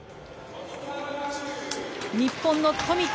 日本の富田